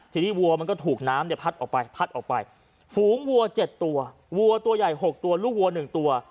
ทีนี้วัวมันก็ถูกน้ำเนี่ยพัดออกไปพัดออกไปฝูงวัว๗ตัววัวตัวใหญ่๖ตัวลูกวัว๑ตัว